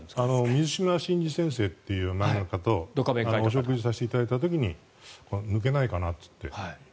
水島新司先生という方とお食事させていただいた時に抜けないかなって言って。